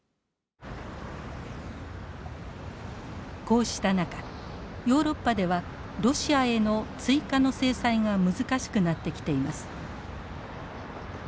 こうした中ヨーロッパではロシアへの追加の制裁が難しくなってきています。